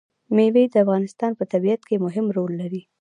مېوې د افغانستان په طبیعت کې مهم رول لري.